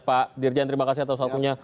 pak dirjen terima kasih atas waktunya